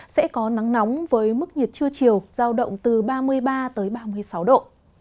sẽ có nắng nóng với mức nhiệt trưa chiều giao động từ ba mươi ba ba mươi sáu độ